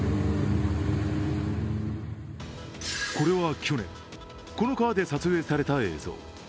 これは去年、この川で撮影された映像。